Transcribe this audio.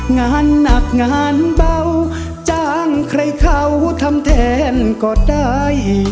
งานหนักงานเบาจ้างใครเขาทำแทนก็ได้